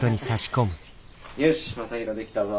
よし将大できたぞ。